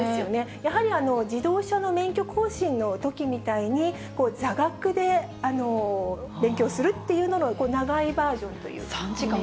やはり自動車の免許更新のときみたいに、座学で勉強するっていうのの長いバージョンというか。